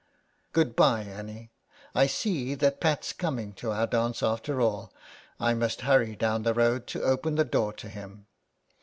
'' Good bye, Annie. I see that Pat's coming to our dance after all. I must hurry down the road to open the door to him."